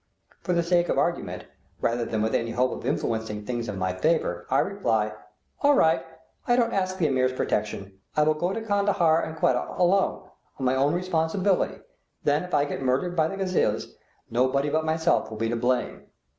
For the sake of argument, rather than with any hope of influencing things in my favor, I reply:" All right, I don't ask the Ameer's protection; I will go to Kandahar and Quetta alone, on my own responsibility; then if I get murdered by the Ghilzais, nobody but myself will be to blame."